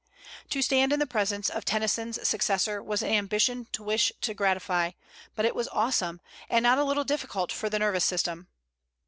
To stand in the presence of Tennyson's successor was an ambition to wish to gratify, but it was awesome, and not a little difficult for the nervous system.